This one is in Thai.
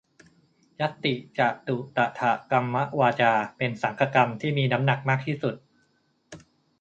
ญัตติจตุตถกรรมวาจา เป็นสังฆกรรมที่มีน้ำหนักมากที่สุด